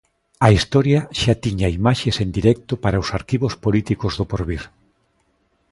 A historia xa tiña imaxes en directo para os arquivos políticos do porvir.